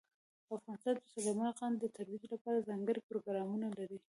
افغانستان د سلیمان غر د ترویج لپاره ځانګړي پروګرامونه لري.